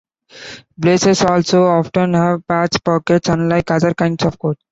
Blazers also often have patch pockets, unlike other kinds of coats.